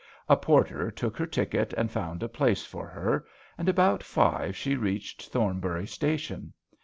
A porter took her ticket and found a place for her, and about five she reached Thorn bury station.